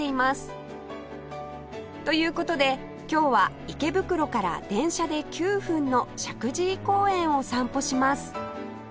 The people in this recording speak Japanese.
という事で今日は池袋から電車で９分の石神井公園を散歩します